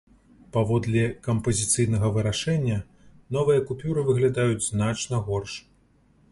Паводле кампазіцыйнага вырашэння, новыя купюры выглядаюць значна горш.